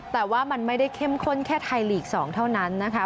แต่ว่ามันไม่ได้เข้มข้นแค่ไทยลีก๒เท่านั้นนะคะ